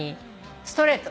ストレート。